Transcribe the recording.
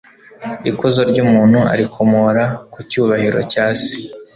ikuzo ry'umuntu arikomora ku cyubahiro cya se